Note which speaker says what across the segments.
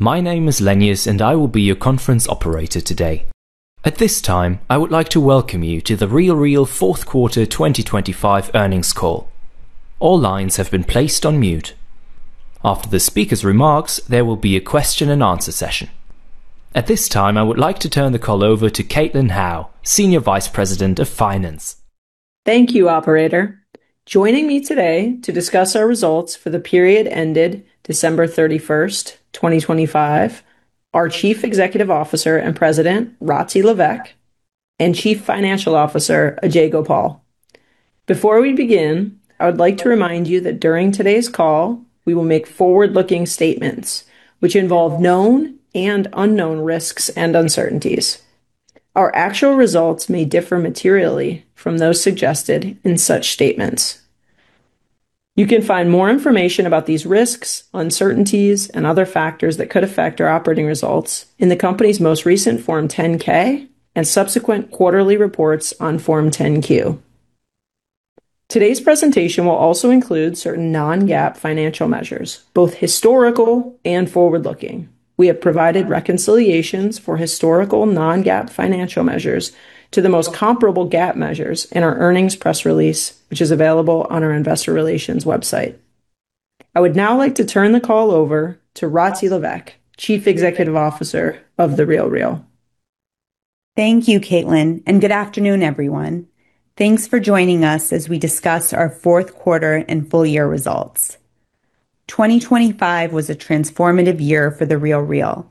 Speaker 1: My name is Lennous and I will be your conference operator today. At this time I would like to welcome you to The RealReal Rati Levesque Fourth Quarter 2025 Earnings Call. All lines have been placed on mute. After the speaker's remarks there will be a question and answer session. At this time I would like to turn the call over to Caitlin Howe, Senior Vice President of Finance.
Speaker 2: Thank you, Operator. Joining me today to discuss our results for the period ended December 31st, 2025, are Chief Executive Officer and President Rati Levesque and Chief Financial Officer Ajay Gopal. Before we begin, I would like to remind you that during today's call we will make forward-looking statements which involve known and unknown risks and uncertainties. Our actual results may differ materially from those suggested in such statements. You can find more information about these risks, uncertainties, and other factors that could affect our operating results in the company's most recent Form 10-K and subsequent quarterly reports on Form 10-Q. Today's presentation will also include certain non-GAAP financial measures, both historical and forward-looking. We have provided reconciliations for historical non-GAAP financial measures to the most comparable GAAP measures in our earnings press release, which is available on our Investor Relations website. I would now like to turn the call over to Rati Levesque, Chief Executive Officer of The RealReal.
Speaker 3: Thank you, Caitlin. Good afternoon, everyone. Thanks for joining us as we discuss our Fourth Quarter and Full-Year Results. 2025 was a transformative year for The RealReal.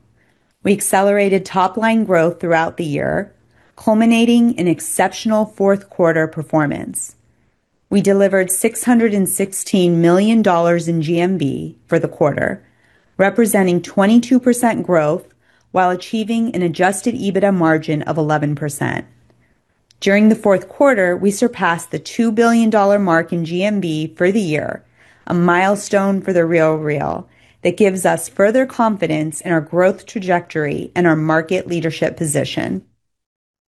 Speaker 3: We accelerated top-line growth throughout the year, culminating in exceptional fourth quarter performance. We delivered $616 million in GMV for the quarter, representing 22% growth while achieving an adjusted EBITDA margin of 11%. During the fourth quarter we surpassed the $2 billion mark in GMV for the year, a milestone for The RealReal that gives us further confidence in our growth trajectory and our market leadership position.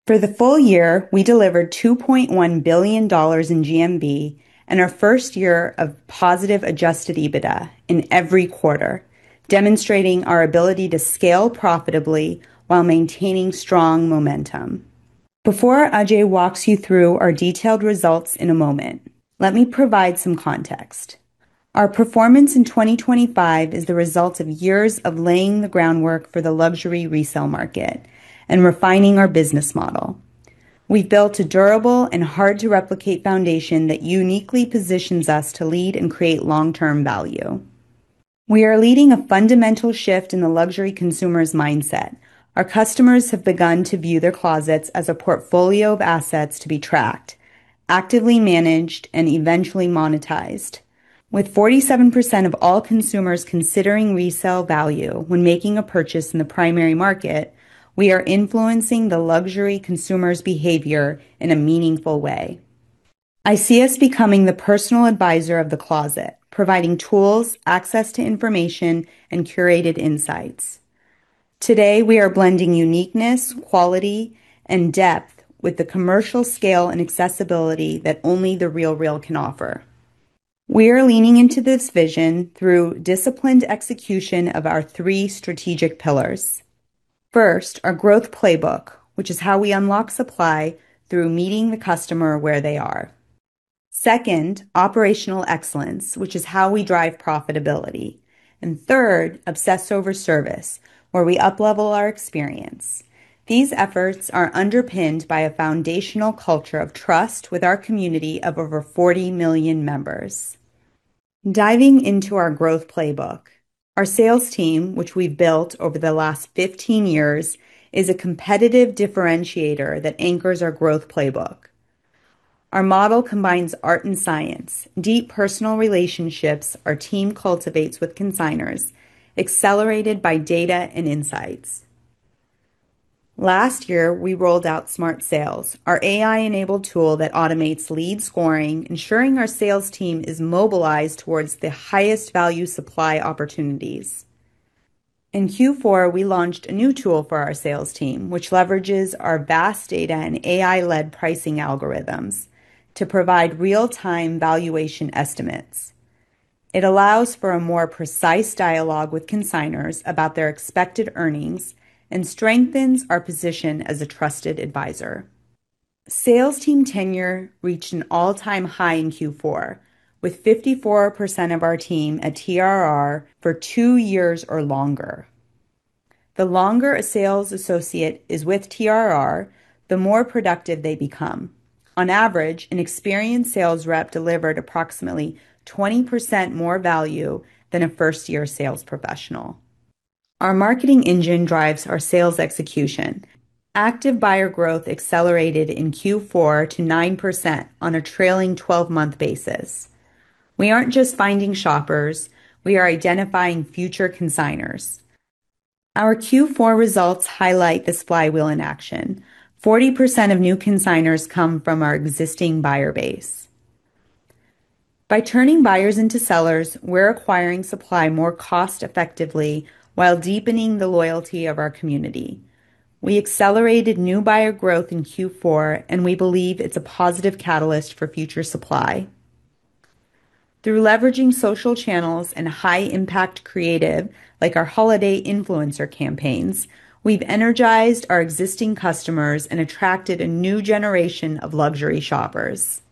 Speaker 3: For the full year we delivered $2.1 billion in GMV and our first year of positive adjusted EBITDA in every quarter, demonstrating our ability to scale profitably while maintaining strong momentum. Before Ajay walks you through our detailed results in a moment, let me provide some context. Our performance in 2025 is the result of years of laying the groundwork for the luxury resale market and refining our business model. We've built a durable and hard-to-replicate foundation that uniquely positions us to lead and create long-term value. We are leading a fundamental shift in the luxury consumer's mindset. Our customers have begun to view their closets as a portfolio of assets to be tracked, actively managed, and eventually monetized. With 47% of all consumers considering resale value when making a purchase in the primary market, we are influencing the luxury consumer's behavior in a meaningful way. I see us becoming the personal advisor of the closet, providing tools, access to information, and curated insights. Today we are blending uniqueness, quality, and depth with the commercial scale and accessibility that only The RealReal can offer. We are leaning into this vision through disciplined execution of our three strategic pillars. First, our growth playbook, which is how we unlock supply through meeting the customer where they are. Second, operational excellence, which is how we drive profitability. Third, obsess over service, where we uplevel our experience. These efforts are underpinned by a foundational culture of trust with our community of over 40 million members. Diving into our growth playbook. Our sales team, which we've built over the last 15 years, is a competitive differentiator that anchors our growth playbook. Our model combines art and science, deep personal relationships our team cultivates with consignors, accelerated by data and insights. Last year we rolled out Smart Sales, our AI-enabled tool that automates lead scoring, ensuring our sales team is mobilized towards the highest value supply opportunities. In Q4 we launched a new tool for our sales team, which leverages our vast data and AI-led pricing algorithms to provide real-time valuation estimates. It allows for a more precise dialogue with consignors about their expected earnings and strengthens our position as a trusted advisor. Sales team tenure reached an all-time high in Q4, with 54% of our team at TRR for two years or longer. The longer a sales associate is with TRR, the more productive they become. On average, an experienced sales rep delivered approximately 20% more value than a first-year sales professional. Our marketing engine drives our sales execution. Active buyer growth accelerated in Q4 to 9% on a trailing 12-month basis. We aren't just finding shoppers; we are identifying future consignors. Our Q4 results highlight the flywheel in action: 40% of new consignors come from our existing buyer base. By turning buyers into sellers, we're acquiring supply more cost-effectively while deepening the loyalty of our community. We accelerated new buyer growth in Q4. We believe it's a positive catalyst for future supply. Through leveraging social channels and high-impact creative like our holiday influencer campaigns, we've energized our existing customers and attracted a new generation of luxury shoppers.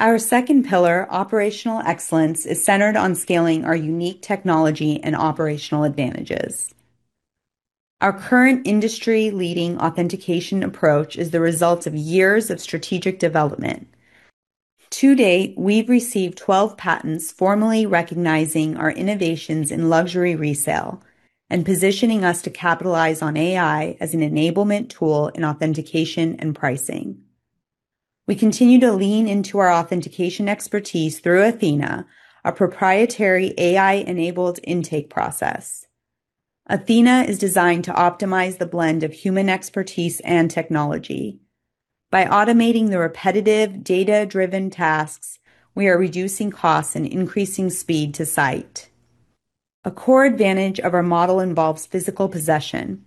Speaker 3: Our second pillar, operational excellence, is centered on scaling our unique technology and operational advantages. Our current industry-leading authentication approach is the result of years of strategic development. To date, we've received 12 patents formally recognizing our innovations in luxury resale and positioning us to capitalize on AI as an enablement tool in authentication and pricing. We continue to lean into our authentication expertise through Athena, our proprietary AI-enabled intake process. Athena is designed to optimize the blend of human expertise and technology. By automating the repetitive, data-driven tasks, we are reducing costs and increasing speed to site. A core advantage of our model involves physical possession.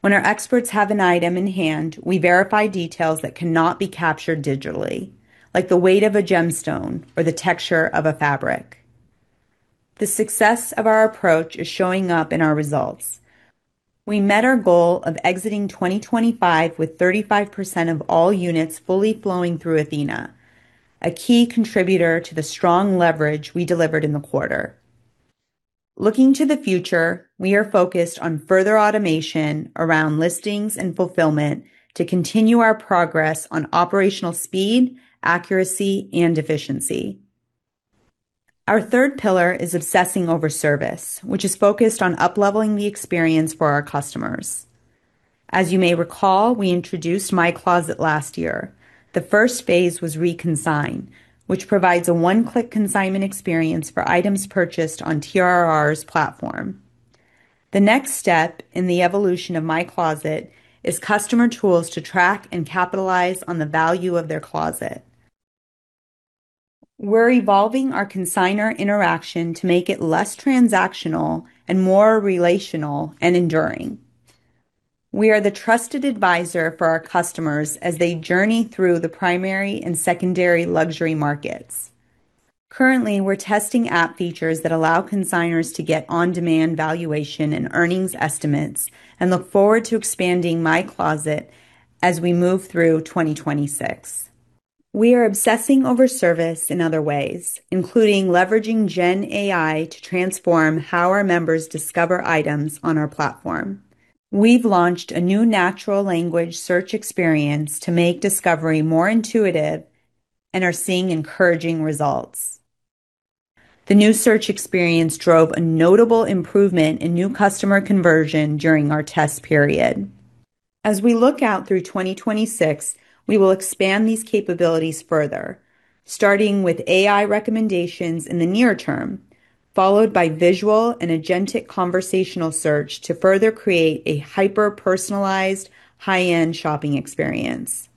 Speaker 3: When our experts have an item in hand, we verify details that cannot be captured digitally, like the weight of a gemstone or the texture of a fabric. The success of our approach is showing up in our results. We met our goal of exiting 2025 with 35% of all units fully flowing through Athena, a key contributor to the strong leverage we delivered in the quarter. Looking to the future, we are focused on further automation around listings and fulfillment to continue our progress on operational speed, accuracy, and efficiency. Our third pillar is obsessing over service, which is focused on upleveling the experience for our customers. As you may recall, we introduced My Closet last year. The first phase was Reconsign, which provides a one-click consignment experience for items purchased on TRR's platform. The next step in the evolution of My Closet is customer tools to track and capitalize on the value of their closet. We're evolving our consignor interaction to make it less transactional and more relational and enduring. We are the trusted advisor for our customers as they journey through the primary and secondary luxury markets. Currently, we're testing app features that allow consignors to get on-demand valuation and earnings estimates and look forward to expanding My Closet as we move through 2026. We are obsessing over service in other ways, including leveraging Gen AI to transform how our members discover items on our platform. We've launched a new natural language search experience to make discovery more intuitive and are seeing encouraging results. The new search experience drove a notable improvement in new customer conversion during our test period. As we look out through 2026, we will expand these capabilities further, starting with AI recommendations in the near term, followed by visual and agentic conversational search to further create a hyper-personalized, high-end shopping experience.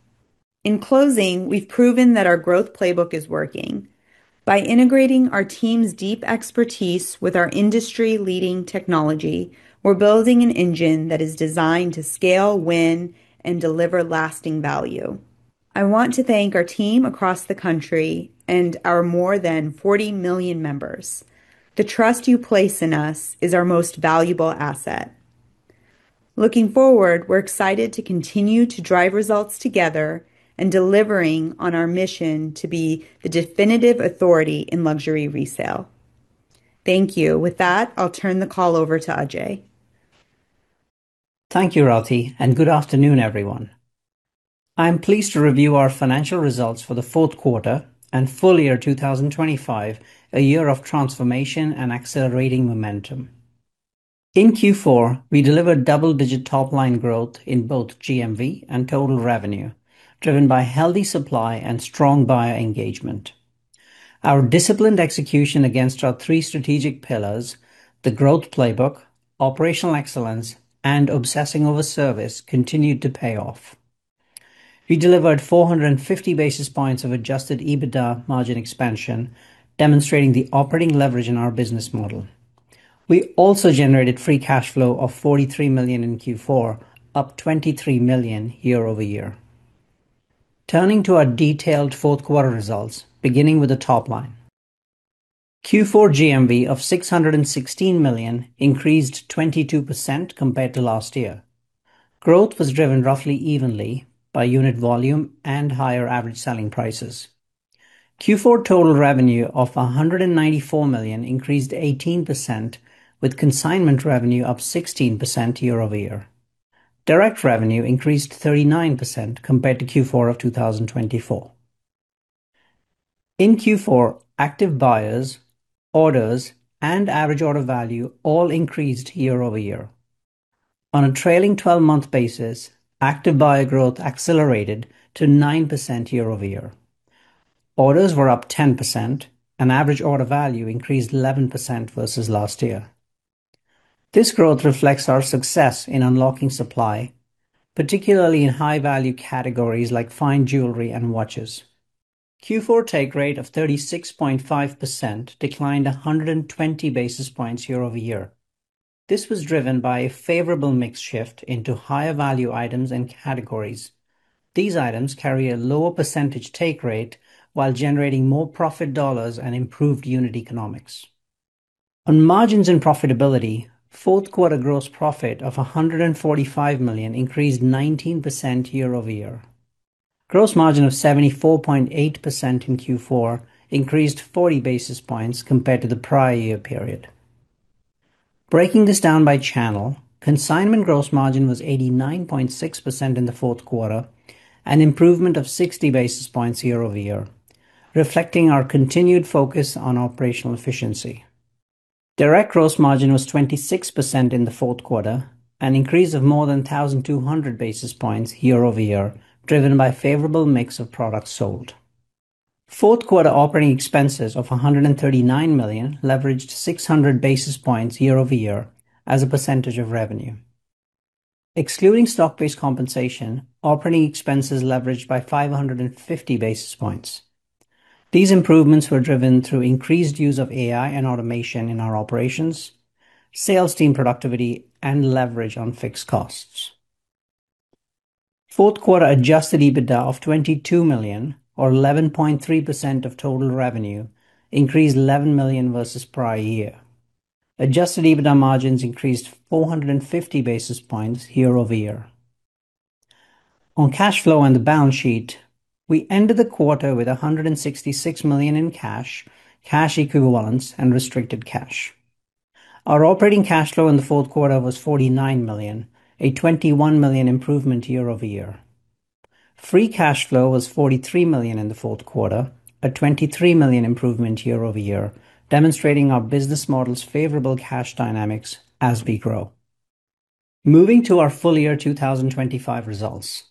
Speaker 3: In closing, we've proven that our growth playbook is working. By integrating our team's deep expertise with our industry-leading technology, we're building an engine that is designed to scale, win, and deliver lasting value. I want to thank our team across the country and our more than 40 million members. The trust you place in us is our most valuable asset. Looking forward, we're excited to continue to drive results together and delivering on our mission to be the definitive authority in luxury resale. Thank you. With that, I'll turn the call over to Ajay.
Speaker 4: Thank you, Rati. Good afternoon, everyone. I'm pleased to review our financial results for the fourth quarter and full year 2025, a year of transformation and accelerating momentum. In Q4, we delivered double-digit top-line growth in both GMV and total revenue, driven by healthy supply and strong buyer engagement. Our disciplined execution against our three strategic pillars, the growth playbook, operational excellence, and obsessing over service, continued to pay off. We delivered 450 basis points of adjusted EBITDA margin expansion, demonstrating the operating leverage in our business model. We also generated free cash flow of $43 million in Q4, up $23 million year-over-year. Turning to our detailed fourth quarter results, beginning with the top line. Q4 GMV of $616 million increased 22% compared to last year. Growth was driven roughly evenly by unit volume and higher average selling prices. Q4 total revenue of $194 million increased 18%, with consignment revenue up 16% year-over-year. Direct revenue increased 39% compared to Q4 of 2024. In Q4, active buyers, orders, and average order value all increased year-over-year. On a trailing 12-month basis, active buyer growth accelerated to 9% year-over-year. Orders were up 10%, and average order value increased 11% versus last year. This growth reflects our success in unlocking supply, particularly in high-value categories like fine jewelry and watches. Q4 take rate of 36.5% declined 120 basis points year-over-year. This was driven by a favorable mix shift into higher value items and categories. These items carry a lower percentage take rate while generating more profit dollars and improved unit economics. On margins and profitability, fourth quarter gross profit of $145 million increased 19% year-over-year. Gross margin of 74.8% in Q4 increased 40 basis points compared to the prior year period. Breaking this down by channel, consignment gross margin was 89.6% in the fourth quarter, an improvement of 60 basis points year-over-year, reflecting our continued focus on operational efficiency. Direct gross margin was 26% in the fourth quarter, an increase of more than 1,200 basis points year-over-year, driven by a favorable mix of products sold. Fourth quarter operating expenses of $139 million leveraged 600 basis points year-over-year as a percentage of revenue. Excluding stock-based compensation, operating expenses leveraged by 550 basis points. These improvements were driven through increased use of AI and automation in our operations, sales team productivity, and leverage on fixed costs. Fourth quarter adjusted EBITDA of $22 million, or 11.3% of total revenue, increased $11 million versus prior year. Adjusted EBITDA margins increased 450 basis points year-over-year. Cash flow and the balance sheet, we ended the quarter with $166 million in cash equivalents, and restricted cash. Our operating cash flow in the fourth quarter was $49 million, a $21 million improvement year-over-year. Free cash flow was $43 million in the fourth quarter, a $23 million improvement year-over-year, demonstrating our business model's favorable cash dynamics as we grow. Moving to our full year 2025 results.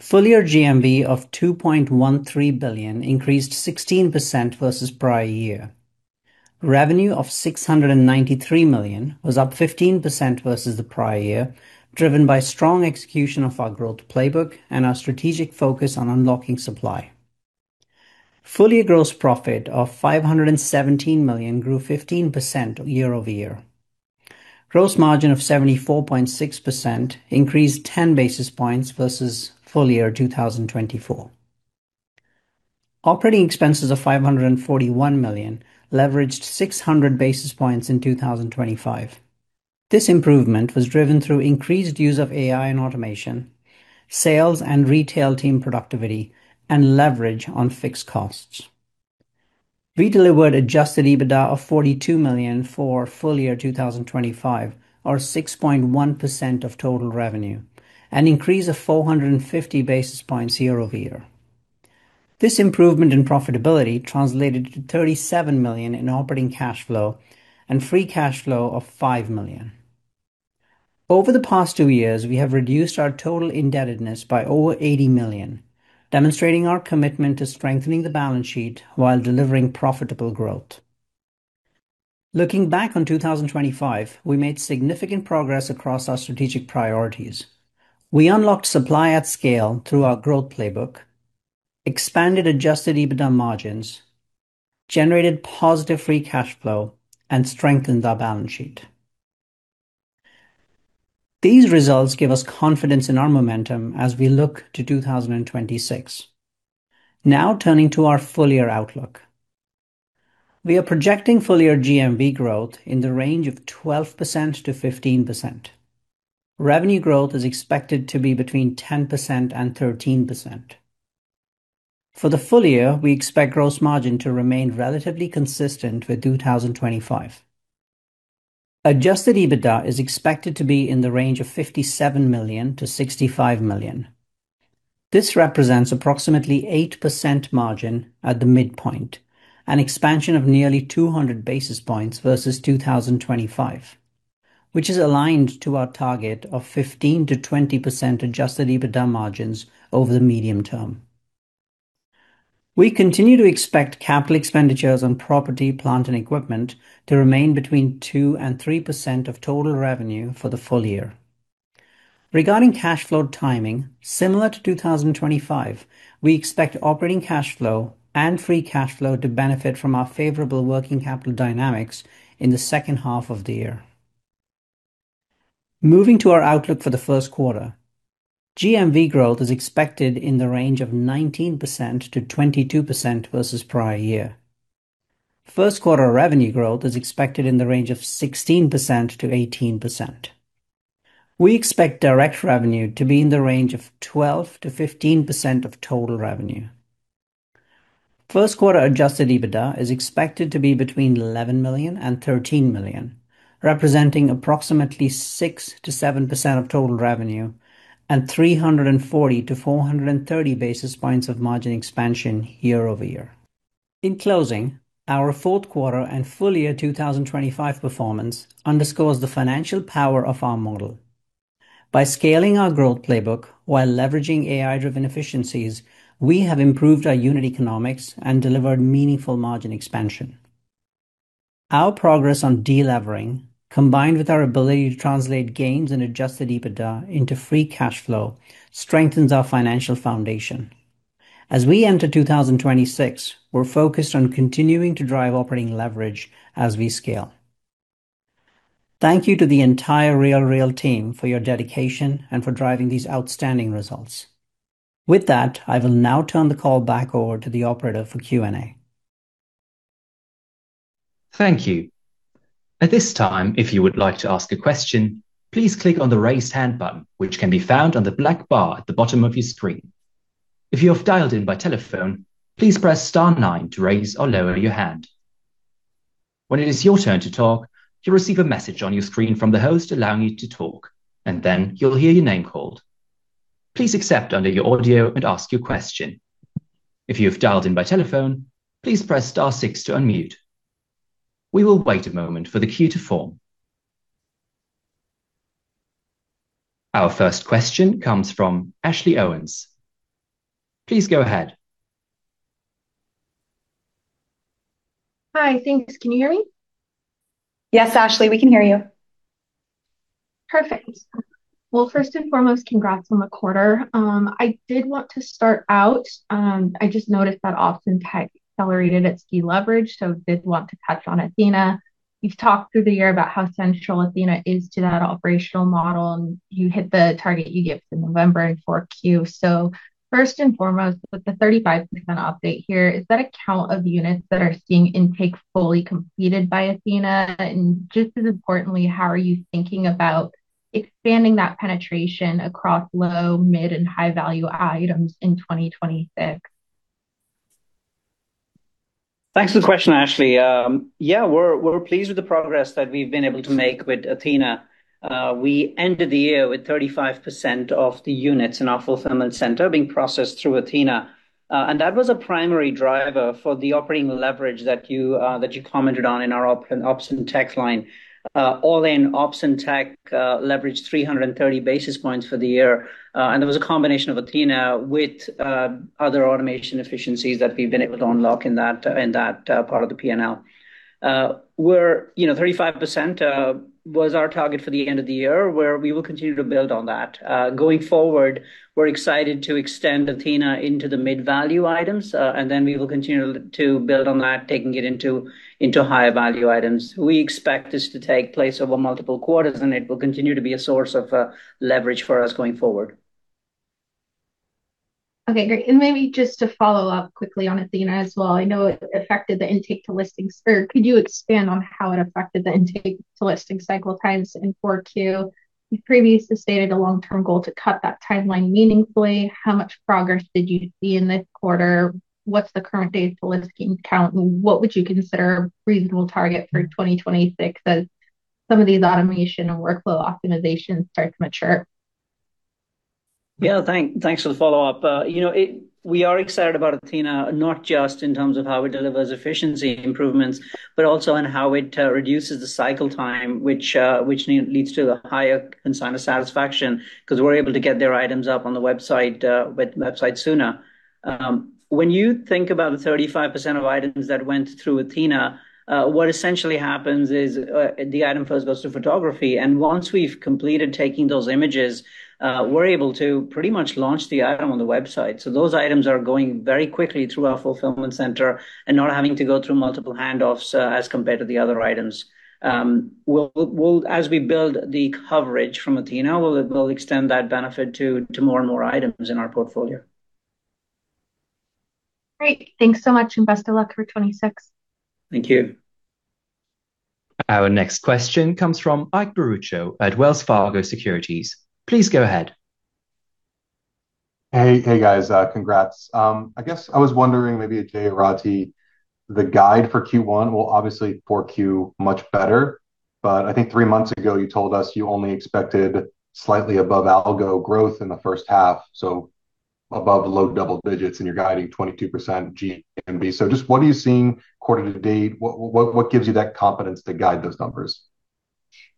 Speaker 4: Full year GMV of $2.13 billion increased 16% versus prior year. Revenue of $693 million was up 15% versus the prior year, driven by strong execution of our growth playbook and our strategic focus on unlocking supply. Full year gross profit of $517 million grew 15% year-over-year. Gross margin of 74.6% increased 10 basis points versus full year 2024. Operating expenses of $541 million leveraged 600 basis points in 2025. This improvement was driven through increased use of AI and automation, sales and retail team productivity, and leverage on fixed costs. We delivered adjusted EBITDA of $42 million for full year 2025, or 6.1% of total revenue, an increase of 450 basis points year-over-year. This improvement in profitability translated to $37 million in operating cash flow and free cash flow of $5 million. Over the past two years, we have reduced our total indebtedness by over $80 million, demonstrating our commitment to strengthening the balance sheet while delivering profitable growth. Looking back on 2025, we made significant progress across our strategic priorities. We unlocked supply at scale through our growth playbook, expanded adjusted EBITDA margins, generated positive free cash flow, and strengthened our balance sheet. These results give us confidence in our momentum as we look to 2026. Turning to our full year outlook. We are projecting full year GMV growth in the range of 12%-15%. Revenue growth is expected to be between 10% and 13%. For the full year, we expect gross margin to remain relatively consistent with 2025. Adjusted EBITDA is expected to be in the range of $57 million-$65 million. This represents approximately 8% margin at the midpoint, an expansion of nearly 200 basis points versus 2025, which is aligned to our target of 15%-20% adjusted EBITDA margins over the medium term. We continue to expect capital expenditures on property, plant, and equipment to remain between 2% and 3% of total revenue for the full year. Regarding cash flow timing, similar to 2025, we expect operating cash flow and free cash flow to benefit from our favorable working capital dynamics in the second half of the year. Moving to our outlook for the first quarter. GMV growth is expected in the range of 19%-22% versus prior year. First quarter revenue growth is expected in the range of 16%-18%. We expect direct revenue to be in the range of 12%-15% of total revenue. First quarter adjusted EBITDA is expected to be between $11 million and $13 million, representing approximately 6%-7% of total revenue and 340–430 basis points of margin expansion year-over-year. In closing, our fourth quarter and full year 2025 performance underscores the financial power of our model. By scaling our growth playbook while leveraging AI-driven efficiencies, we have improved our unit economics and delivered meaningful margin expansion. Our progress on delevering, combined with our ability to translate gains and adjusted EBITDA into free cash flow, strengthens our financial foundation. As we enter 2026, we're focused on continuing to drive operating leverage as we scale. Thank you to the entire The RealReal team for your dedication and for driving these outstanding results. With that, I will now turn the call back over to the operator for Q&A.
Speaker 1: Thank you. At this time, if you would like to ask a question, please click on the raised hand button, which can be found on the black bar at the bottom of your screen. If you have dialed in by telephone, please press star nine to raise or lower your hand. When it is your turn to talk, you'll receive a message on your screen from the host allowing you to talk, and then you'll hear your name called. Please accept under your audio and ask your question. If you have dialed in by telephone, please press star six to unmute. We will wait a moment for the queue to form. Our first question comes from Ashley Owens. Please go ahead.
Speaker 5: Hi, thanks. Can you hear me?
Speaker 2: Yes, Ashley, we can hear you.
Speaker 5: Perfect. Well, first and foremost, congrats on the quarter. I did want to start out I just noticed that Austin Tech accelerated its deleverage, so I did want to touch on Athena. You've talked through the year about how central Athena is to that operational model, and you hit the target you gave for November in 4Q. First and foremost, with the 35% update here, is that a count of units that are seeing intake fully completed by Athena? Just as importantly, how are you thinking about expanding that penetration across low, mid, and high-value items in 2026?
Speaker 4: Thanks for the question, Ashley. Yeah, we're pleased with the progress that we've been able to make with Athena. We ended the year with 35% of the units in our fulfillment center being processed through Athena. That was a primary driver for the operating leverage that you commented on in our Austin Tech line. All in, Austin Tech leveraged 330 basis points for the year. There was a combination of Athena with other automation efficiencies that we've been able to unlock in that part of the P&L. 35% was our target for the end of the year, where we will continue to build on that. Going forward, we're excited to extend Athena into the mid-value items, and then we will continue to build on that, taking it into higher value items. We expect this to take place over multiple quarters, and it will continue to be a source of leverage for us going forward.
Speaker 5: Okay, great. Maybe just to follow up quickly on Athena as well, I know it affected the intake to listings. Could you expand on how it affected the intake to listing cycle times in 4Q? You previously stated a long-term goal to cut that timeline meaningfully. How much progress did you see in this quarter? What's the current date for listing count? What would you consider a reasonable target for 2026 as some of these automation and workflow optimizations start to mature?
Speaker 4: Yeah, thanks for the follow-up. We are excited about Athena, not just in terms of how it delivers efficiency improvements, but also in how it reduces the cycle time, which leads to the higher consignment satisfaction because we're able to get their items up on the website sooner. When you think about the 35% of items that went through Athena, what essentially happens is the item first goes to photography. Once we've completed taking those images, we're able to pretty much launch the item on the website. Those items are going very quickly through our fulfillment center and not having to go through multiple handoffs as compared to the other items. As we build the coverage from Athena, we'll extend that benefit to more and more items in our portfolio.
Speaker 5: Great. Thanks so much, and best of luck for 2026.
Speaker 4: Thank you.
Speaker 1: Our next question comes from Ike Boruchow at Wells Fargo Securities. Please go ahead.
Speaker 6: Hey, guys. Congrats. I guess I was wondering, maybe Ajay Gopal, the guide for Q1. Well, obviously, 4Q much better. I think three months ago, you told us you only expected slightly above algo growth in the first half, so above low double digits, and you're guiding 22% GMV. Just what are you seeing quarter-to-date? What gives you that confidence to guide those numbers?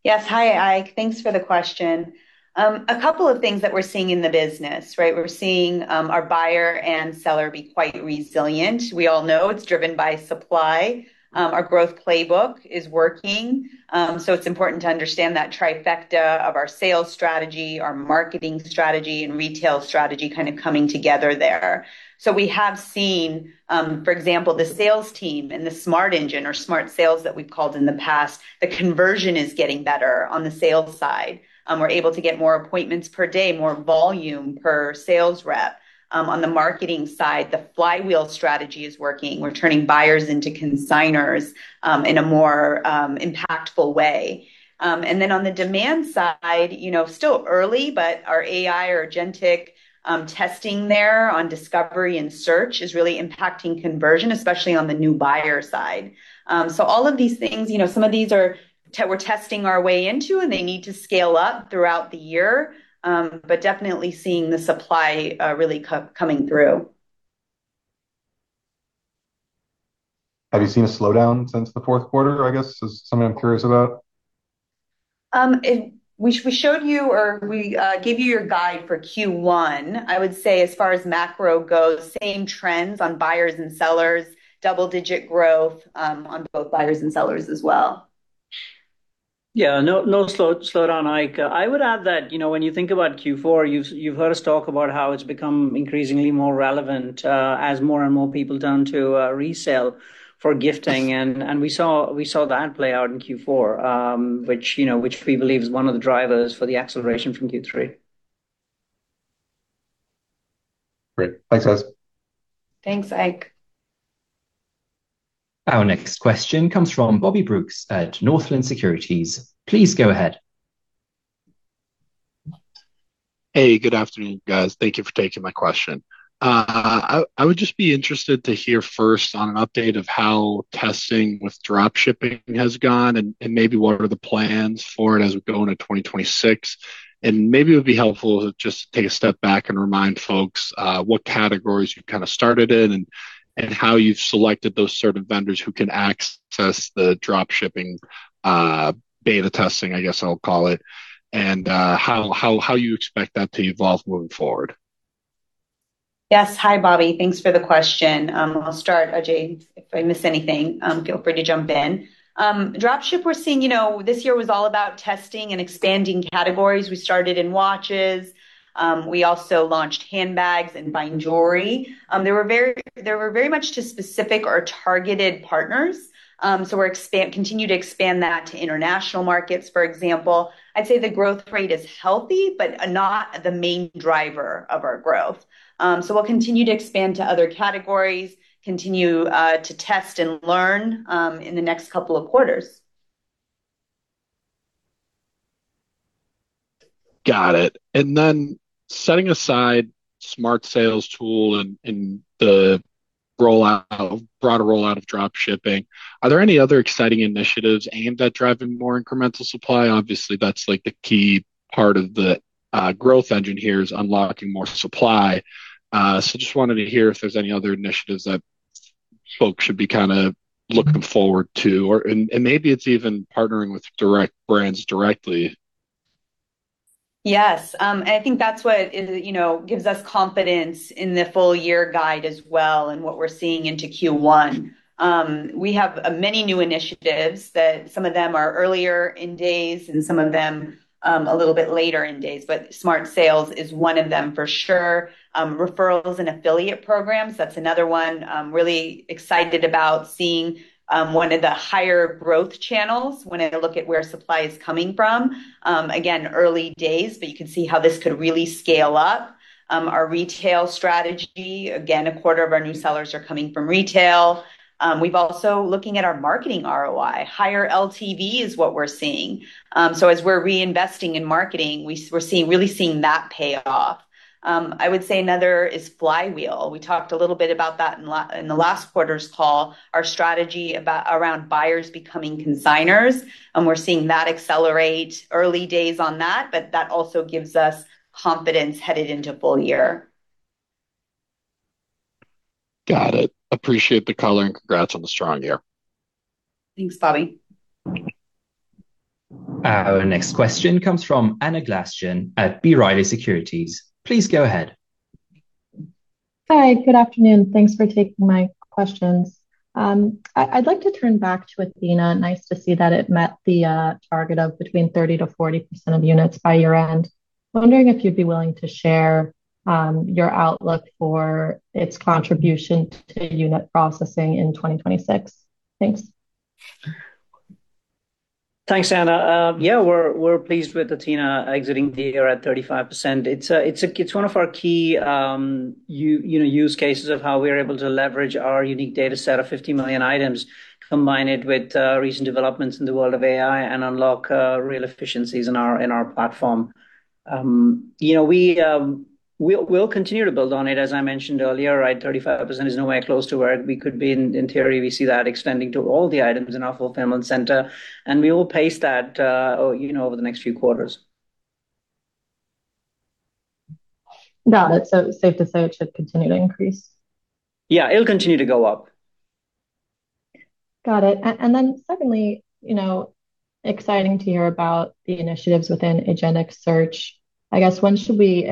Speaker 3: Yes. Hi, Ike. Thanks for the question. A couple of things that we're seeing in the business, right? We're seeing our buyer and seller be quite resilient. We all know it's driven by supply. Our growth playbook is working. It's important to understand that trifecta of our sales strategy, our marketing strategy, and retail strategy kind of coming together there. We have seen, for example, the sales team in the smart engine or Smart Sales that we've called in the past, the conversion is getting better on the sales side. We're able to get more appointments per day, more volume per sales rep. On the marketing side, the flywheel strategy is working. We're turning buyers into consignors in a more impactful way. On the demand side, still early, but our AI or agentic testing there on discovery and search is really impacting conversion, especially on the new buyer side. All of these things, some of these we're testing our way into, and they need to scale up throughout the year, but definitely seeing the supply really coming through.
Speaker 6: Have you seen a slowdown since the fourth quarter, I guess, is something I'm curious about?
Speaker 3: We showed you or we gave you your guide for Q1. I would say as far as macro goes, same trends on buyers and sellers, double-digit growth on both buyers and sellers as well.
Speaker 4: Yeah, no slowdown, Ike. I would add that when you think about Q4, you've heard us talk about how it's become increasingly more relevant as more and more people turn to resell for gifting. We saw that play out in Q4, which we believe is one of the drivers for the acceleration from Q3.
Speaker 6: Great. Thanks, guys.
Speaker 2: Thanks, Ike.
Speaker 1: Our next question comes from Bobby Brooks at Northland Securities. Please go ahead.
Speaker 7: Hey, good afternoon, guys. Thank you for taking my question. I would just be interested to hear first on an update of how testing with dropshipping has gone and maybe what are the plans for it as we go into 2026? Maybe it would be helpful to just take a step back and remind folks what categories you've kind of started in and how you've selected those sort of vendors who can access the dropshipping beta testing, I guess I'll call it, and how you expect that to evolve moving forward?
Speaker 3: Yes. Hi, Bobby. Thanks for the question. I'll start, Ajay. If I miss anything, feel free to jump in. Dropship, we're seeing this year was all about testing and expanding categories. We started in watches. We also launched handbags and buying jewelry. They were very much to specific or targeted partners. We're continuing to expand that to international markets, for example. I'd say the growth rate is healthy, but not the main driver of our growth. We'll continue to expand to other categories, continue to test and learn in the next two quarters.
Speaker 7: Got it. Setting aside Smart Sales tool and the broader rollout of dropshipping, are there any other exciting initiatives aimed at driving more incremental supply? Obviously, that's the key part of the growth engine here is unlocking more supply. Just wanted to hear if there's any other initiatives that folks should be kind of looking forward to, and maybe it's even partnering with brands directly.
Speaker 3: Yes. I think that's what gives us confidence in the full-year guide as well and what we're seeing into Q1. We have many new initiatives that some of them are earlier in days and some of them a little bit later in days, but Smart Sales is one of them for sure. Referrals and affiliate programs, that's another one really excited about seeing one of the higher growth channels when I look at where supply is coming from. Again, early days, but you can see how this could really scale up. Our retail strategy, again, a quarter of our new sellers are coming from retail. We've also been looking at our marketing ROI. Higher LTV is what we're seeing. As we're reinvesting in marketing, we're really seeing that pay off. I would say another is flywheel. We talked a little bit about that in the last quarter's call, our strategy around buyers becoming consignors. We're seeing that accelerate early days on that, but that also gives us confidence headed into full year.
Speaker 7: Got it. Appreciate the color and congrats on the strong year.
Speaker 2: Thanks, Bobby.
Speaker 1: Our next question comes from Anna Glaessgen at B. Riley Securities. Please go ahead.
Speaker 8: Hi. Good afternoon. Thanks for taking my questions. I'd like to turn back to Athena. Nice to see that it met the target of between 30%-40% of units by year-end. Wondering if you'd be willing to share your outlook for its contribution to unit processing in 2026. Thanks.
Speaker 4: Thanks, Anna. Yeah, we're pleased with Athena exiting the year at 35%. It's one of our key use cases of how we're able to leverage our unique data set of 50 million items, combine it with recent developments in the world of AI, and unlock real efficiencies in our platform. We'll continue to build on it, as I mentioned earlier, right? 35% is nowhere close to where we could be in theory. We see that extending to all the items in our fulfillment center. We will pace that over the next few quarters.
Speaker 8: Got it. safe to say it should continue to increase?
Speaker 4: Yeah, it'll continue to go up.
Speaker 8: Got it. Then secondly, exciting to hear about the initiatives within agentic search. I guess when should we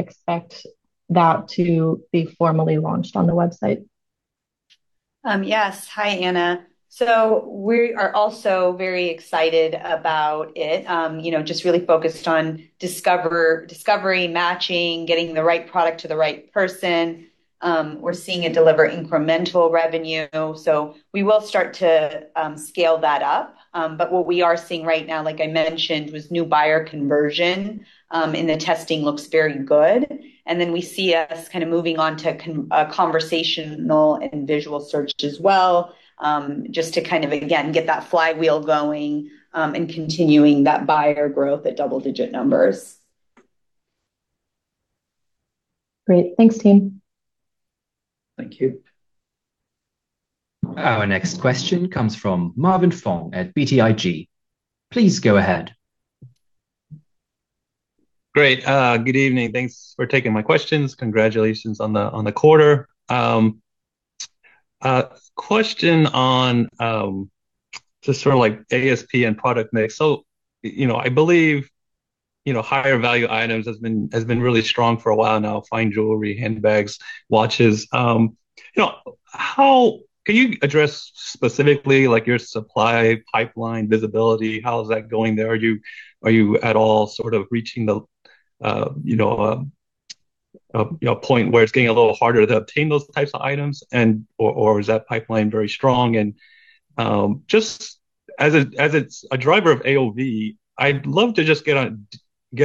Speaker 8: expect that to be formally launched on the website?
Speaker 3: Yes. Hi, Anna. We are also very excited about it, just really focused on discovery, matching, getting the right product to the right person. We're seeing it deliver incremental revenue. We will start to scale that up. What we are seeing right now, like I mentioned, was new buyer conversion, and the testing looks very good. Then we see us kind of moving on to conversational and visual search as well just to kind of, again, get that flywheel going and continuing that buyer growth at double-digit numbers.
Speaker 8: Great. Thanks, team.
Speaker 4: Thank you.
Speaker 1: Our next question comes from Marvin Fong at BTIG. Please go ahead.
Speaker 9: Great. Good evening. Thanks for taking my questions. Congratulations on the quarter. Question on just sort of ASP and product mix. I believe higher value items has been really strong for a while now: fine jewelry, handbags, watches. Can you address specifically your supply pipeline visibility? How is that going there? Are you at all sort of reaching the point where it's getting a little harder to obtain those types of items, or is that pipeline very strong? Just as a driver of AOV, I'd love to just get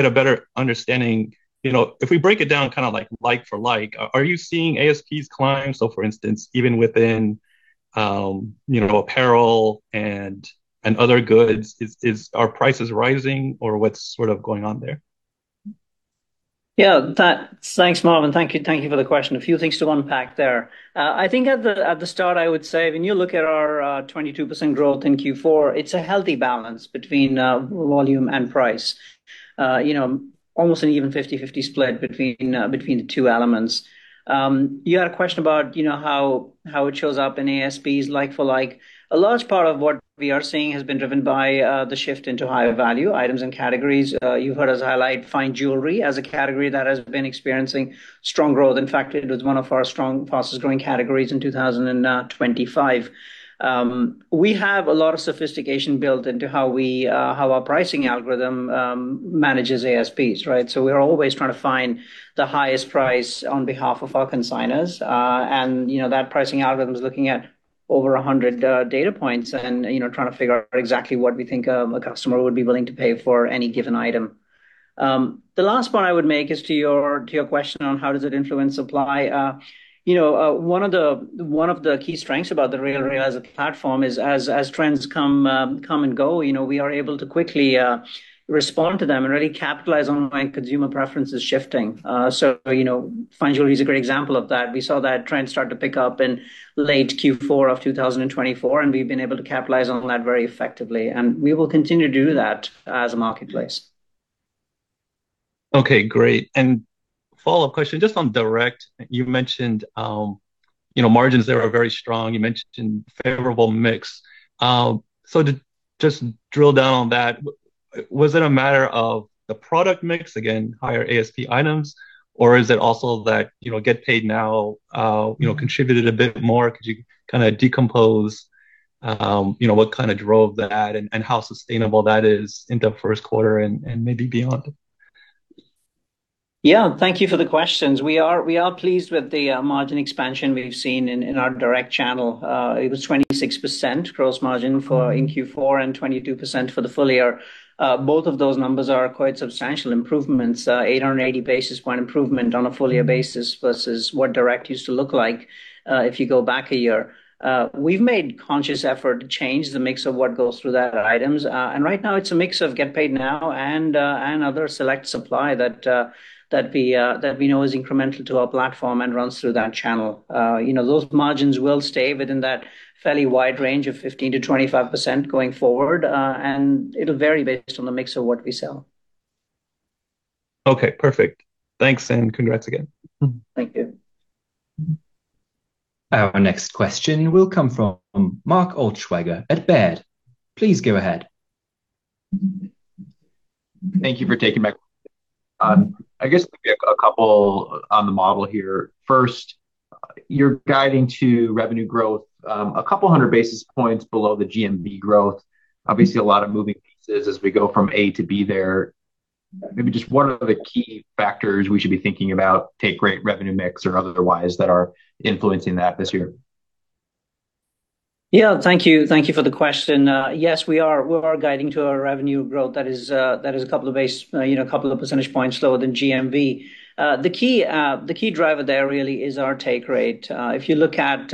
Speaker 9: a better understanding. If we break it down kind of like for like, are you seeing ASPs climb? For instance, even within apparel and other goods, are prices rising, or what's sort of going on there?
Speaker 4: Yeah. Thanks, Marvin. Thank you for the question. A few things to unpack there. I think at the start, I would say when you look at our 22% growth in Q4, it's a healthy balance between volume and price, almost an even 50/50 split between the two elements. You had a question about how it shows up in ASPs like for like. A large part of what we are seeing has been driven by the shift into higher value items and categories. You've heard us highlight fine jewelry as a category that has been experiencing strong growth. In fact, it was one of our strongest growing categories in 2025. We have a lot of sophistication built into how our pricing algorithm manages ASPs, right? We're always trying to find the highest price on behalf of our consignors. That pricing algorithm is looking at over 100 data points and trying to figure out exactly what we think a customer would be willing to pay for any given item. The last one I would make is to your question on how does it influence supply. One of the key strengths about The RealReal platform is as trends come and go, we are able to quickly respond to them and really capitalize on consumer preferences shifting. Fine jewelry is a great example of that. We saw that trend start to pick up in late Q4 of 2024, and we've been able to capitalize on that very effectively. We will continue to do that as a marketplace.
Speaker 9: Okay. Great. Follow-up question just on direct. You mentioned margins there are very strong. You mentioned favorable mix. To just drill down on that, was it a matter of the product mix, again, higher ASP items, or is it also that Get Paid Now contributed a bit more? Could you kind of decompose what kind of drove that and how sustainable that is in the first quarter and maybe beyond?
Speaker 4: Yeah. Thank you for the questions. We are pleased with the margin expansion we've seen in our direct channel. It was 26% gross margin in Q4 and 22% for the full year. Both of those numbers are quite substantial improvements, 880 basis point improvement on a full-year basis versus what direct used to look like if you go back a year. We've made conscious effort to change the mix of what goes through that items. Right now, it's a mix of Get Paid Now and other select supply that we know is incremental to our platform and runs through that channel. Those margins will stay, but in that fairly wide range of 15%-25% going forward, and it'll vary based on the mix of what we sell.
Speaker 9: Okay. Perfect. Thanks and congrats again.
Speaker 4: Thank you.
Speaker 1: Our next question will come from Mark Altschwager at Baird. Please go ahead.
Speaker 10: Thank you for taking my question. I guess maybe a couple on the model here. First, you're guiding to revenue growth a couple hundred basis points below the GMV growth. Obviously, a lot of moving pieces as we go from A to B there. Maybe just what are the key factors we should be thinking about, take rate revenue mix or otherwise, that are influencing that this year?
Speaker 4: Yeah. Thank you. Thank you for the question. Yes, we are guiding to our revenue growth. That is a couple of percentage points slower than GMV. The key driver there really is our take rate. If you look at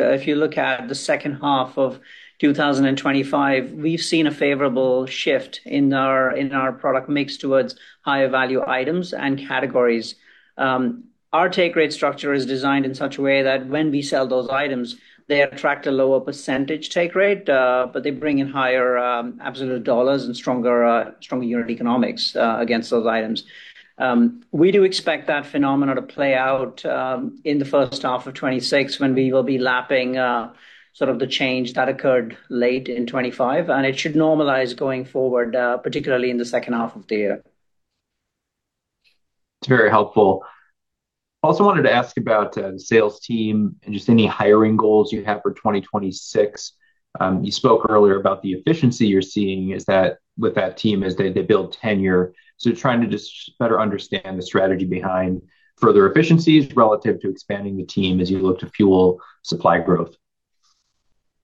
Speaker 4: the second half of 2025, we've seen a favorable shift in our product mix towards higher value items and categories. Our take rate structure is designed in such a way that when we sell those items, they attract a lower percentage take rate, but they bring in higher absolute dollars and stronger unit economics against those items. We do expect that phenomenon to play out in the first half of 2026 when we will be lapping sort of the change that occurred late in 2025. It should normalize going forward, particularly in the second half of the year.
Speaker 10: It's very helpful. Wanted to ask about the sales team and just any hiring goals you have for 2026. You spoke earlier about the efficiency you're seeing with that team as they build tenure. Trying to just better understand the strategy behind further efficiencies relative to expanding the team as you look to fuel supply growth.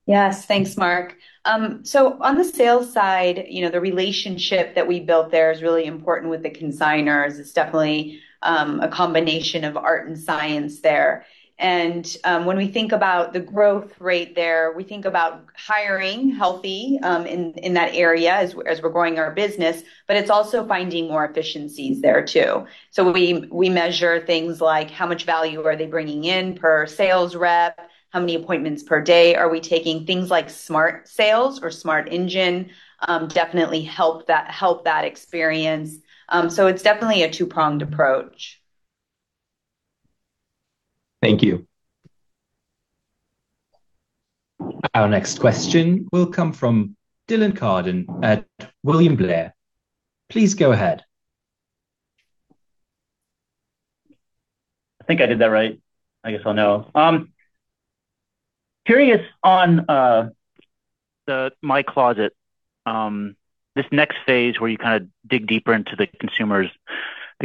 Speaker 3: Yes. Thanks, Mark. On the sales side, the relationship that we built there is really important with the consignors. It's definitely a combination of art and science there. When we think about the growth rate there, we think about hiring healthy in that area as we're growing our business, but it's also finding more efficiencies there too. We measure things like how much value are they bringing in per sales rep, how many appointments per day are we taking? Things like Smart Sales or Smart Engine definitely help that experience. It's definitely a two-pronged approach.
Speaker 10: Thank you.
Speaker 1: Our next question will come from Dylan Carden at William Blair. Please go ahead.
Speaker 11: I think I did that right. I guess I'll know. Curious on My Closet, this next phase where you kind of dig deeper into the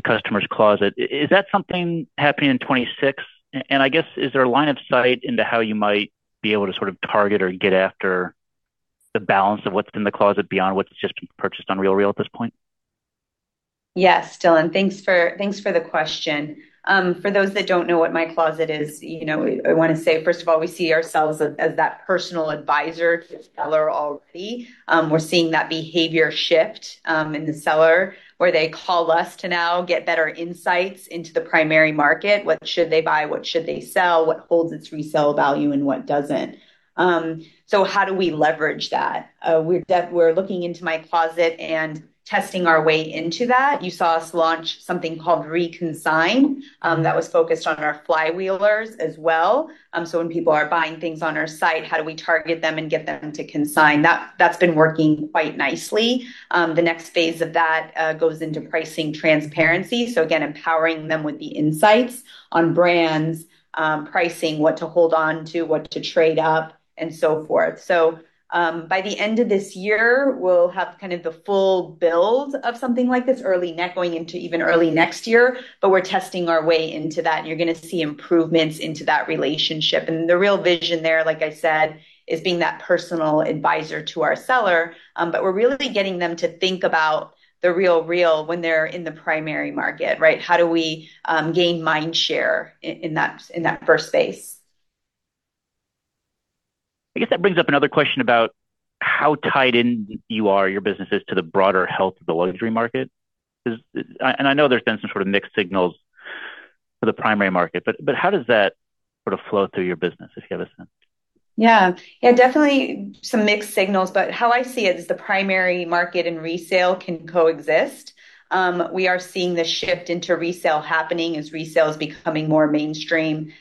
Speaker 11: customer's closet, is that something happening in 2026? I guess, is there a line of sight into how you might be able to sort of target or get after the balance of what's in the closet beyond what's just been purchased on The RealReal at this point?
Speaker 3: Yes, Dylan. Thanks for the question. For those that don't know what My Closet is, I want to say, first of all, we see ourselves as that personal advisor to the seller already. We're seeing that behavior shift in the seller where they call us to now get better insights into the primary market: what should they buy, what should they sell, what holds its resale value, and what doesn't. How do we leverage that? We're looking into My Closet and testing our way into that. You saw us launch something called Reconsign that was focused on our flywheelers as well. When people are buying things on our site, how do we target them and get them to consign? That's been working quite nicely. The next phase of that goes into pricing transparency. Again, empowering them with the insights on brands, pricing, what to hold on to, what to trade up, and so forth. By the end of this year, we'll have kind of the full build of something like this, going into even early next year. We're testing our way into that, and you're going to see improvements into that relationship. The real vision there, like I said, is being that personal advisor to our seller. We're really getting them to think about The RealReal when they're in the primary market, right? How do we gain mindshare in that first space?
Speaker 11: I guess that brings up another question about how tied in you are, your business, is to the broader health of the luxury market. I know there's been some sort of mixed signals for the primary market, how does that sort of flow through your business, if you have a sense?
Speaker 3: Definitely some mixed signals. How I see it is the primary market and resale can coexist. We are seeing the shift into resale happening as resale is becoming more mainstream,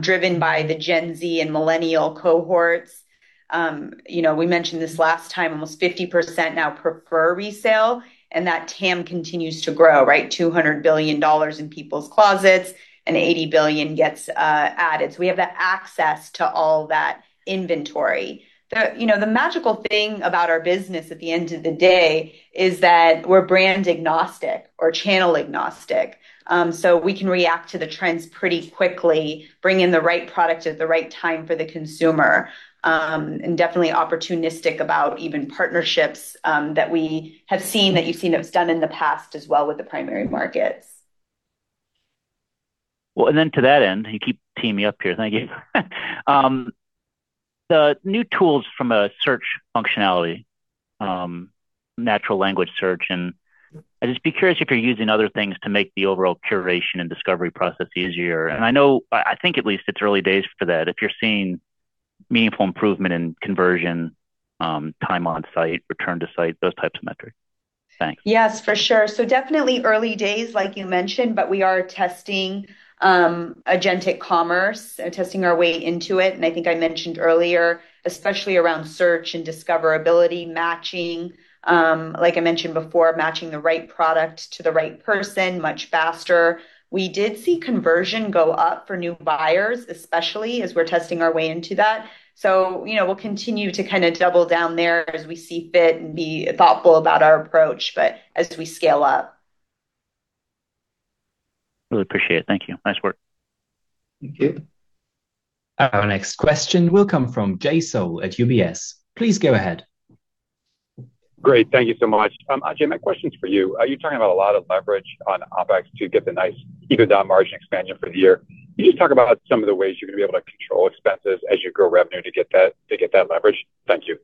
Speaker 3: driven by the Gen Z and millennial cohorts. We mentioned this last time, almost 50% now prefer resale. That TAM continues to grow, right? $200 billion in people's closets and $80 billion gets added. We have the access to all that inventory. The magical thing about our business at the end of the day is that we're brand agnostic or channel agnostic. We can react to the trends pretty quickly, bring in the right product at the right time for the consumer, and definitely opportunistic about even partnerships that we have seen that you've seen that was done in the past as well with the primary markets.
Speaker 11: To that end, you keep teeing me up here. Thank you. The new tools from a search functionality, natural language search. I'd just be curious if you're using other things to make the overall curation and discovery process easier. I think at least it's early days for that. If you're seeing meaningful improvement in conversion, time on site, return to site, those types of metrics? Thanks.
Speaker 3: Yes, for sure. Definitely early days, like you mentioned. We are testing agentic commerce, testing our way into it. I think I mentioned earlier, especially around search and discoverability, matching, like I mentioned before, matching the right product to the right person much faster. We did see conversion go up for new buyers, especially as we're testing our way into that. We'll continue to kind of double down there as we see fit and be thoughtful about our approach as we scale up.
Speaker 11: Really appreciate it. Thank you. Nice work.
Speaker 4: Thank you.
Speaker 1: Our next question will come from Jay Sole at UBS. Please go ahead.
Speaker 12: Thank you so much. Jay, my question's for you. You're talking about a lot of leverage on OpEx to get the nice EBITDA margin expansion for the year. Can you just talk about some of the ways you're going to be able to control expenses as you grow revenue to get that leverage? Thank you.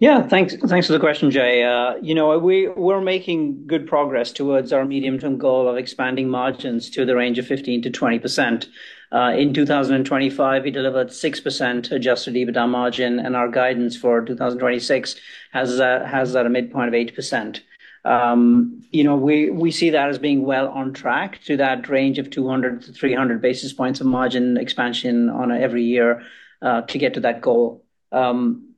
Speaker 4: Yeah. Thanks for the question, Jay. We're making good progress towards our medium-term goal of expanding margins to the range of 15%-20%. In 2025, we delivered 6% adjusted EBITDA margin, and our guidance for 2026 has that at a midpoint of 8%. We see that as being well on track to that range of 200–300 basis points of margin expansion every year to get to that goal.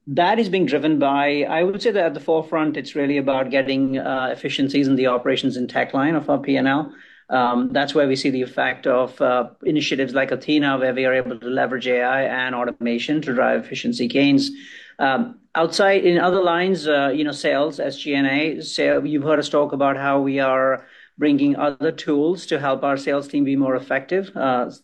Speaker 4: That is being driven by I would say that at the forefront, it's really about getting efficiencies in the operations and tech line of our P&L. That's where we see the effect of initiatives like Athena where we are able to leverage AI and automation to drive efficiency gains. Outside in other lines, sales, SG&A, you've heard us talk about how we are bringing other tools to help our sales team be more effective.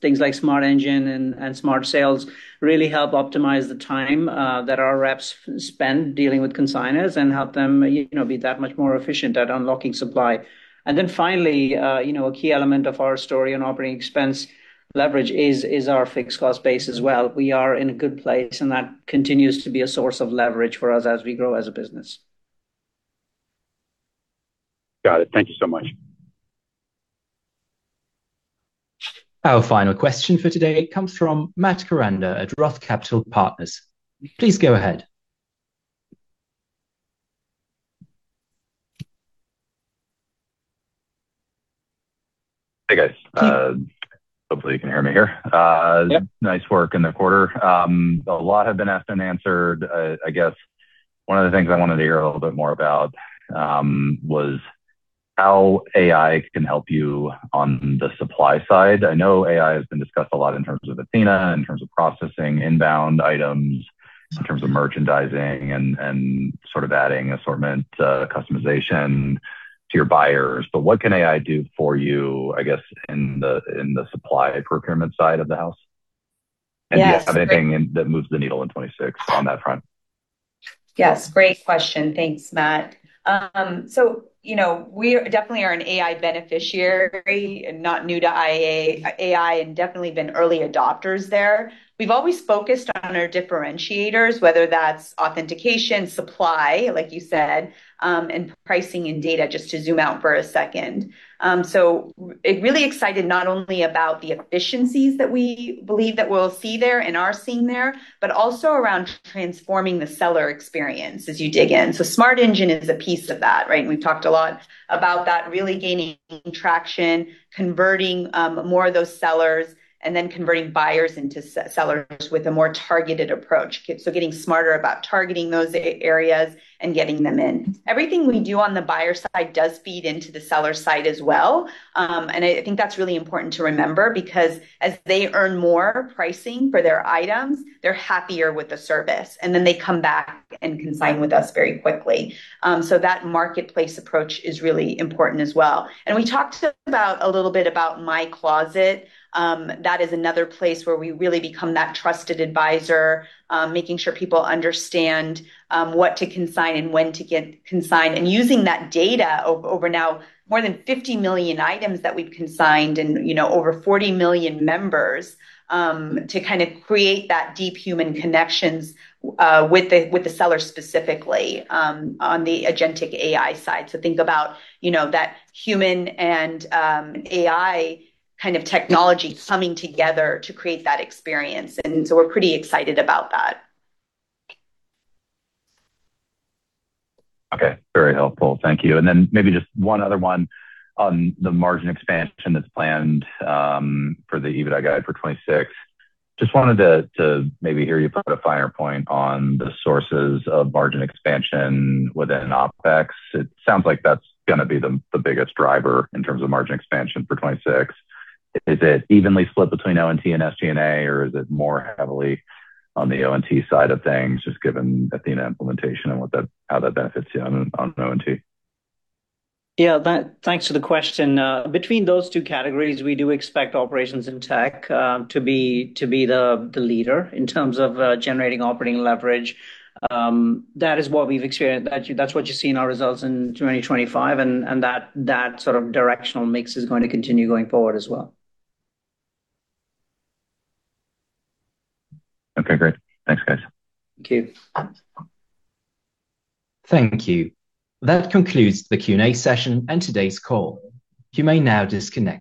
Speaker 4: Things like Smart Engine and Smart Sales really help optimize the time that our reps spend dealing with consignors and help them be that much more efficient at unlocking supply. Finally, a key element of our story on operating expense leverage is our fixed cost base as well. We are in a good place, and that continues to be a source of leverage for us as we grow as a business.
Speaker 12: Got it. Thank Thank you so much.
Speaker 1: Our final question for today comes from Matt Koranda at ROTH Capital Partners. Please go ahead.
Speaker 13: Hey, guys. Hopefully, you can hear me here. Nice work in the quarter. A lot have been asked and answered. I guess one of the things I wanted to hear a little bit more about was how AI can help you on the supply side. I know AI has been discussed a lot in terms of Athena, in terms of processing inbound items, in terms of merchandising, and sort of adding assortment customization to your buyers. What can AI do for you, I guess, in the supply procurement side of the house? Do you have anything that moves the needle in 2026 on that front?
Speaker 3: Yes. Great question. Thanks, Matt. We definitely are an AI beneficiary and not new to AI and definitely been early adopters there. We've always focused on our differentiators, whether that's authentication, supply, like you said, and pricing and data, just to zoom out for a second. It really excited not only about the efficiencies that we believe that we'll see there and are seeing there, but also around transforming the seller experience as you dig in. Smart Sales is a piece of that, right? We've talked a lot about that, really gaining traction, converting more of those sellers, and then converting buyers into sellers with a more targeted approach. Getting smarter about targeting those areas and getting them in. Everything we do on the buyer side does feed into the seller side as well. I think that's really important to remember because as they earn more pricing for their items, they're happier with the service. They come back and consign with us very quickly. That marketplace approach is really important as well. We talked about a little bit about My Closet. That is another place where we really become that trusted advisor, making sure people understand what to consign and when to get consigned. Using that data over now, more than 50 million items that we've consigned and over 40 million members to kind of create that deep human connections with the seller specifically on the agentic AI side. Think about that human and AI kind of technology coming together to create that experience. We're pretty excited about that.
Speaker 13: Okay. Very helpful. Thank you. Then maybe just one other one on the margin expansion that's planned for the EBITDA guide for 2026. Wanted to maybe hear you put a finer point on the sources of margin expansion within OpEx. It sounds like that's going to be the biggest driver in terms of margin expansion for 2026. Is it evenly split between O&T and SG&A, or is it more heavily on the O&T side of things, just given Athena implementation and how that benefits you on O&T?
Speaker 4: Yeah. Thanks for the question. Between those two categories, we do expect Operations and Technology to be the leader in terms of generating operating leverage. That is what we've experienced. That's what you see in our results in 2025. That sort of directional mix is going to continue going forward as well.
Speaker 13: Okay. Great. Thanks, guys.
Speaker 4: Thank you.
Speaker 1: Thank you. That concludes the Q&A session and today's call. You may now disconnect.